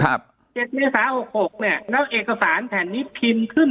เจ็ดเมษาหกหกเนี้ยแล้วเอกสารแผ่นนี้พิมพ์ขึ้น